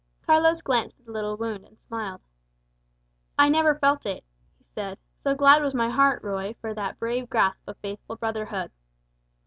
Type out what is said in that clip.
Carlos glanced at the little wound, and smiled. "I never felt it," he said, "so glad was my heart, Ruy, for that brave grasp of faithful brotherhood."